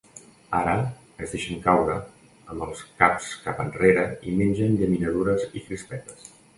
Ara es deixen caure, amb els caps cap enrere i mengen llaminadures i crispetes.